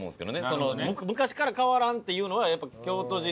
昔から変わらんっていうのはやっぱ京都人。